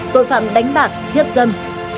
tội phạm đánh bạc hiếp dâm